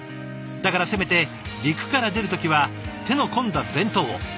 だからせめて陸から出る時は手の込んだ弁当を。